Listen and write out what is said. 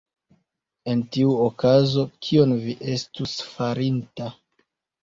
En tiu okazo, kion vi estus farinta?